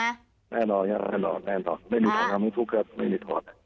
แน่นอนแน่นอนแน่นอนไม่มีทอดครับไม่มีทอด